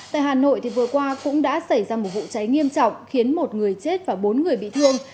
tại hà nội vừa qua cũng đã xảy ra một vụ cháy nghiêm trọng khiến một người chết và bốn người bị thương